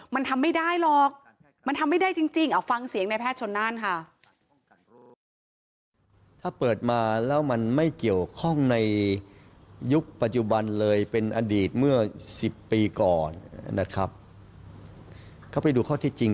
มันทำไม่ได้หรอกมันทำไม่ได้จริง